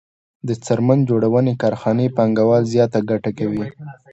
د څرمن جوړونې کارخانې پانګوال زیاته ګټه کوي